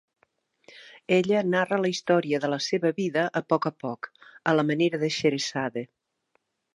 Ella narra la història de la seva vida a poc a poc, a la manera de Scheherazade.